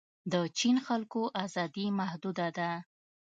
د چین خلکو ازادي محدوده ده.